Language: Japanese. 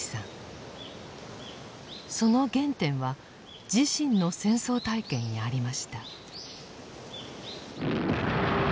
その原点は自身の戦争体験にありました。